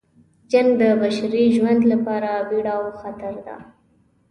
جنګ د بشري ژوند لپاره بیړه او خطر ده.